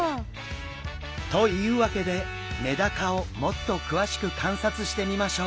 というわけでメダカをもっと詳しく観察してみましょう！